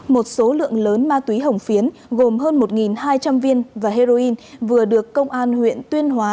một số lượng lớn ma túy hồng phiến gồm hơn một hai trăm linh viên và heroin vừa được công an huyện tuyên hóa